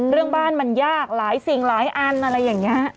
เรื่องบ้านมันยากหลายสิ่งหลายอันอะไรอย่างนี้